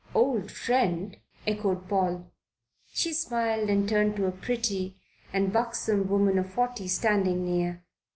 "Old friend?" echoed Paul. She smiled and turned to a pretty and buxom woman of forty standing near.